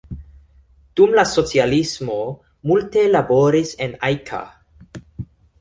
Dum la socialismo multe laboris en Ajka.